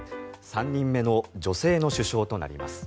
３人目の女性の首相となります。